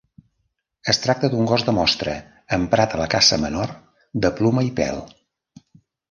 Es tracta d'un gos de mostra emprat a la caça menor de ploma i pèl.